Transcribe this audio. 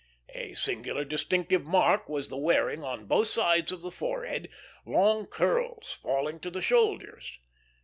A singular distinctive mark was the wearing on both sides of the forehead long curls falling to the shoulders.